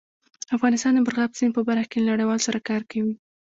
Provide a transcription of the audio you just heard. افغانستان د مورغاب سیند په برخه کې له نړیوالو سره کار کوي.